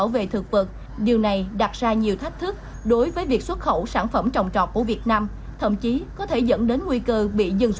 về cách ấn xử gắn kèm với các chỉ tiêu định lượng